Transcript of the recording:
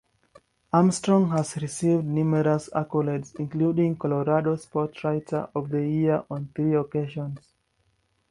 Armstrong has received numerous accolades including Colorado Sportswriter of the Year on three occasions.